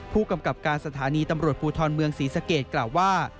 ผู้กำกับการสถานีตำรวจภูทรเมืองศรีสเกตกล่าวว่า